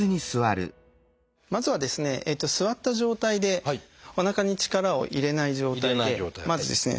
まずはですね座った状態でおなかに力を入れない状態でまずですね